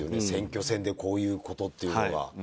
選挙戦でこういうことっていうのが。